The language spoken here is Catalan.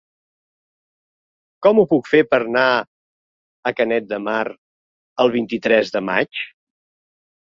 Com ho puc fer per anar a Canet de Mar el vint-i-tres de maig?